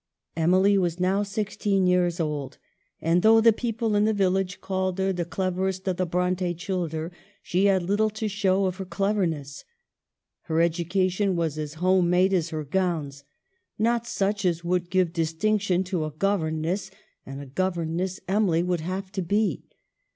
Emily was now sixteen years old, and though the people in the village called her " t' cleverest o' t' Bronte childer," she had little to show of her cleverness. Her education was as home made as her gowns, not such as would give distinction to a governess ; and a governess Emily would have to be.